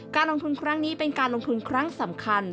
การลงทุนครั้งนี้เป็นการลงทุนครั้งสำคัญ